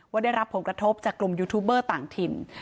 ได้รับผลกระทบจากกลุ่มยูทูบเบอร์ต่างถิ่น